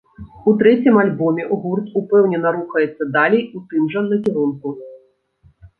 У трэцім альбоме гурт упэўнена рухаецца далей у тым жа накірунку.